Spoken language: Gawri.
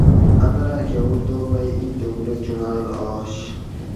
ان راۤکہ اُردو مئ اِیں جملہ چُنڑال آش